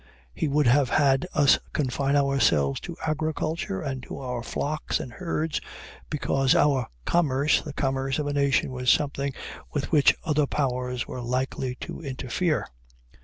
He would have had us confine ourselves to agriculture, and to our flocks and herds, because our commerce, the commerce of a nation, was something with which other powers were likely to interfere.